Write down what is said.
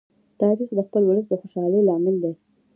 تاریخ د خپل ولس د خوشالۍ لامل دی.